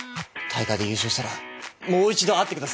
大会で優勝したらもう一度会ってください。